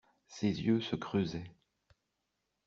Ses yeux se creusaient.